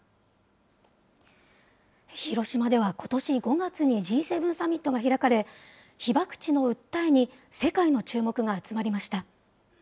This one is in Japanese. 広島ではことし５月に、Ｇ７サミットが開かれ、被爆地の訴えに世界の注目が集まりました。